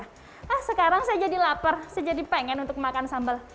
hah sekarang saya jadi lapar saya jadi pengen untuk makan sambal